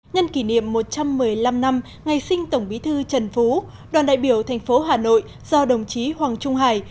nhân kỷ niệm một trăm một mươi năm năm ngày sinh tổng bí thư trần phú đoàn đại biểu thành phố hà nội do đồng chí hoàng trung hải